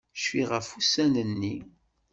Cfiɣ ɣef ussan-nni.